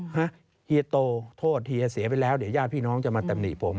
ฮะไอ้โตโทษหียเสียไปแล้วเดี๋ยวญาติพี่น้องจะมาแต่มดีผม